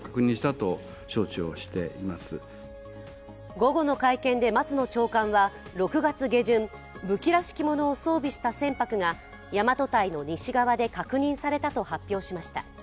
午後の会見で、松野長官は６月下旬武器らしきものを装備した船舶が大和堆の西側で確認されたと発表しました。